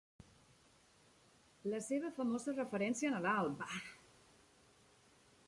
La seva famosa referència a Nadal, Bah!